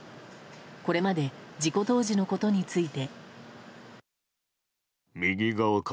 これまで事故当時のことについて。